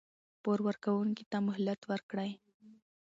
پور ورکوونکي ته مهلت ورکړئ.